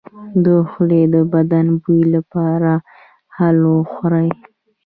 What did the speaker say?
د خولې د بد بوی لپاره هل وخورئ